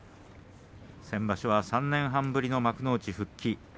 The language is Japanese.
先場所は３年半ぶりの幕内復帰。